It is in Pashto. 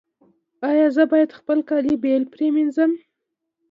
ایا زه باید خپل کالي بیل پریمنځم؟